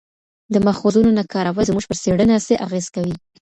د ماخذونو نه کارول زموږ پر څېړنه څه اغېز کوي؟